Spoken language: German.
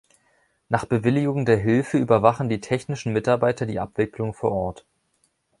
Nach Bewilligung der Hilfe überwachen die technischen Mitarbeiter die Abwicklung vor Ort.